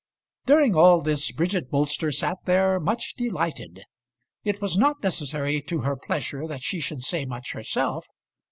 During all this Bridget Bolster sat there much delighted. It was not necessary to her pleasure that she should say much herself.